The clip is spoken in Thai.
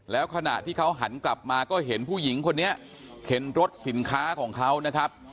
แล้วขณะที่เขาหันกลับมาก็เห็นผู้หญิงคนนี้เข็นรถสินค้าของเขานะครับ